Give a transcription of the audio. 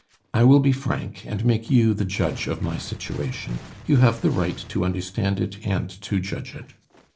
I will be frank, and make you the judge of my situation; you have the right to understand it and to judge it.